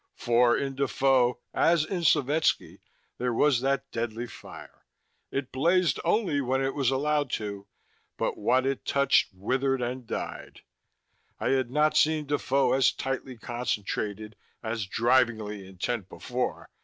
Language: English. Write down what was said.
For in Defoe, as in Slovetski, there was that deadly fire. It blazed only when it was allowed to; but what it touched withered and died. I had not seen Defoe as tightly concentrated, as drivingly intent, before.